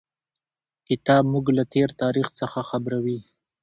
کتاب موږ له تېر تاریخ څخه خبروي.